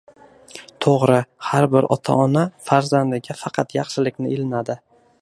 To‘g‘ri, har bir ota-ona farzandiga faqat yaxshilikni ilinadi